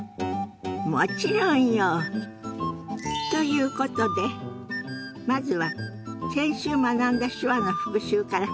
もちろんよ！ということでまずは先週学んだ手話の復習から始めましょ。